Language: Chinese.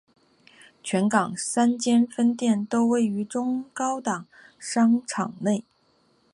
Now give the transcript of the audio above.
全港三间分店都位于中高档商场内。